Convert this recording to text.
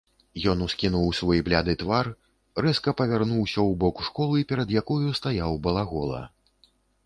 Ён ускінуў свой бляды твар, рэзка павярнуўся ў бок школы, перад якою стаяў балагола.